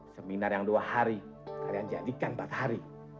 seminar yang dua hari kalian jadikan empat hari